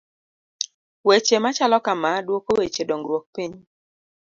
Weche machalo kama, duoko weche dongruok piny.